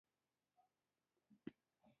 فینول فتالین په القلي محیط کې کوم رنګ اختیاروي؟